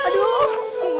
udah lah sini sih